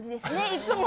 いつも。